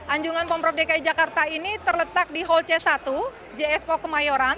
anjungan pemprov dki jakarta ini terletak di hall c satu jspo kemayoran